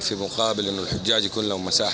dikaitkan dengan keuntungan masyarakat